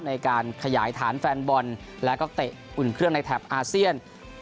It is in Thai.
ในการขยายฐานแฟนบอลและก็เตะอุ่นเครื่องในแถบอาเซียน